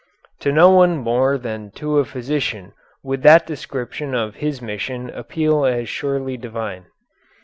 To no one more than to a physician would that description of His mission appeal as surely divine.